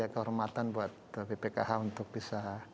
kehormatan buat bpkh untuk bisa